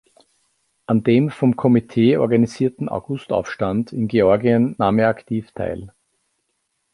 An dem vom Komitee organisierten August-Aufstand in Georgien nahm er aktiv teil.